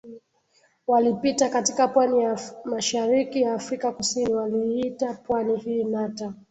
Walipita katika pwani ya mashariki ya Afrika Kusini waliiita pwani hii Nata